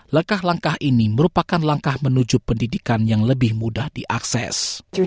langkah langkah ini merupakan langkah menuju pendidikan yang lebih mudah diakses